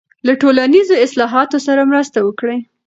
له ټولنیزو اصلاحاتو سره مرسته وکړئ.